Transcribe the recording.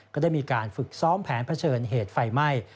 ก็ได้มีการฝึกซ้อมแผนเผชิญเหตุไฟไหม้